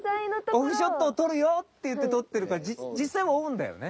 「オフショットを撮るよ」って言って撮ってるから実際はオンだよね？